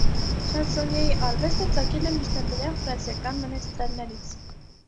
Շանսոնիեի արվեստը ծագել է միջնադարյան ֆրանսիական մենեստրելներից։